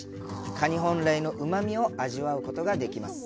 カニ本来のうまみを味わうことができます。